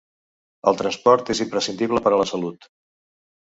El transport és imprescindible per a la salut.